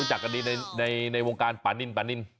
จากกันดีในวงการปานินปานิน